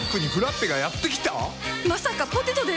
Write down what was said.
まさかポテトで？